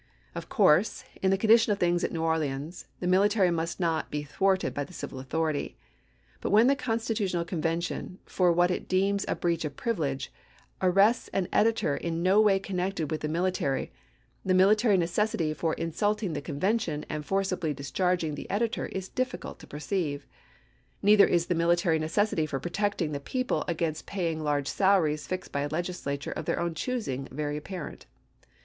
Of course, in the condition of things at New Orleans, the military must not be thwarted by the civil authority ; but when the Constitutional Convention, for what it deems a breach of privilege, arrests an editor in no way RECONSTRUCTION 447 connected with the military, the military necessity for chap.xix insulting the Convention and forcibly discharging the editor is difficult to perceive. Neither is the military necessity for protecting the people against paying large salaries fixed by a legislature of their own choosing very apparent.